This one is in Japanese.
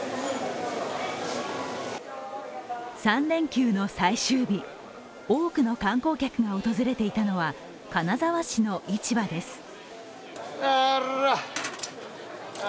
３連休の最終日、多くの観光客が訪れていたのは金沢市の市場です。